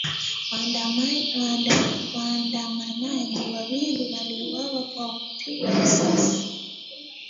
Waandamanaji wawili waliuawa kwa kupigwa risasi